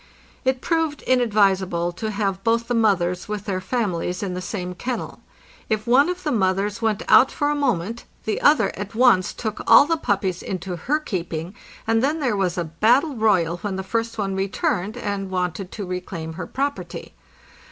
It proved inadvisable to have both the mothers with their families in the same kennel. If one of the mothers went out for a moment, the other at once took all the puppies into her keeping, and then there was a battle royal when the first one returned and wanted to reclaim her property.